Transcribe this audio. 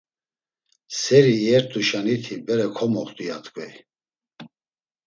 Seri iyert̆uşaniti bere komoxt̆u, ya t̆ǩvey.